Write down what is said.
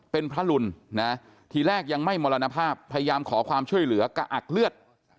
เป็นพระรุนนะทีแรกยังไม่มรณภาพพยายามขอความช่วยเหลือกะอักเลือด